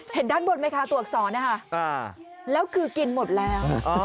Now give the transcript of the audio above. เห็นด้านบนไหมคะตัวอักษรนะคะแล้วคือกินหมดแล้ว